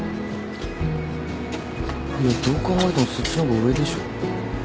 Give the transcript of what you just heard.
いやどう考えてもそっちの方が上でしょ。